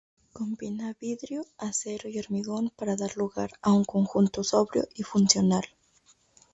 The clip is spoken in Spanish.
Combina vidrio, acero y hormigón para dar lugar a un conjunto sobrio y funcional.